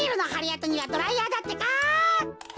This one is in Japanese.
あとにはドライヤーだってか。